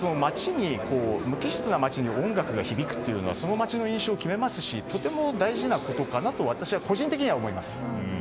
無機質な街に音楽が響くというのはその街の印象を決めますしとても大事なことかなと私は個人的には思います。